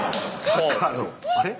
サッカーのあれ？